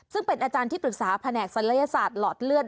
ซึ่งเป็นอาจารย์ที่ปรึกษาแผนกศัลยศาสตร์หลอดเลือด